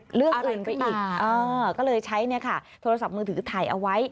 อาริกต่างก็เลยใช้โทรศัพท์มือถือถ่ายเอาไว้